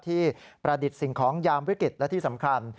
ประดิษฐ์สิ่งของยามวิกฤตและที่สำคัญ